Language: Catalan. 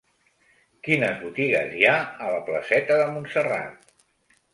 Quines botigues hi ha a la placeta de Montserrat?